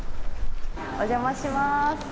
お邪魔します。